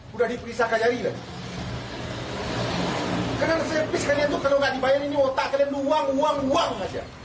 karena resipis kalian tuh kalau nggak dibayar ini mau tak kalian luang uang uang aja